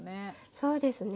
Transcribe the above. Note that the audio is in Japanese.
そうですね。